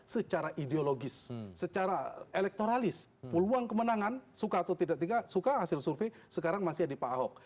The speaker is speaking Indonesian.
secara ideologis secara elektoralis peluang kemenangan suka atau tidak suka hasil survei sekarang masih ada di pak ahok